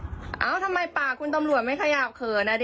มันไม่เข้าต้องเลยครับอ้าวทำไมปากคุณตำรวจไม่ขยับเขินอ่ะดี